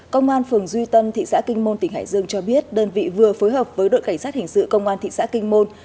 công an phường duy tân thị xã kinh môn tỉnh hải dương cho biết đơn vị vừa phối hợp với đội cảnh sát hình sự công an thị xã kinh môn